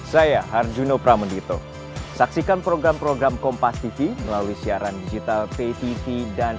saya harjuno pramendito saksikan program program kompas tv melalui siaran digital pay tv dan